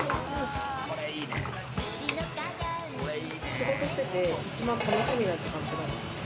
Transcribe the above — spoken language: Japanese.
仕事してて、一番楽しみな時間ってなんですか？